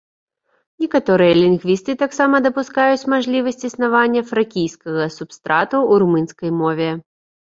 Некаторыя лінгвісты таксама дапускаюць мажлівасць існавання фракійскага субстрату ў румынскай мове.